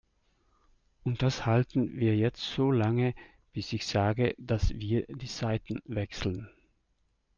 Und das halten wir jetzt so lange, bis ich sage, dass wir die Seiten wechseln.